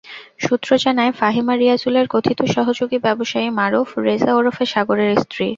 সূত্র জানায়, ফাহিমা রিয়াজুলের কথিত সহযোগী ব্যবসায়ী মারুফ রেজা ওরফে সাগরের স্ত্রী।